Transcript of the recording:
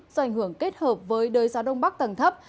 do ảnh hưởng kết hợp với đới gió đông bắc tầng thấp